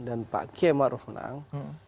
dan pak kiai ma'ruf menang